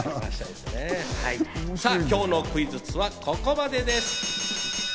今日のクイズッスはここまでです。